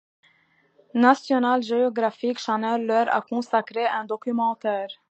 National Geographic Channel leur a consacré un documentaire.